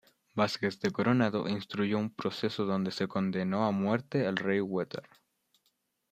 Vázquez de Coronado instruyó un proceso donde se condenó a muerte al rey huetar.